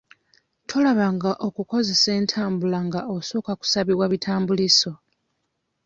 Tolaba nga okukozesa entambula nga osooka kusabibwa bitambuliiso.